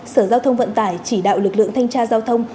sở giao thông vận tải chỉ đạo lực lượng thanh tra giao thông